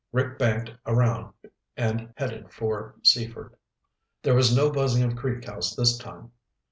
Rick banked around and headed for Seaford. There was no buzzing of Creek House this time.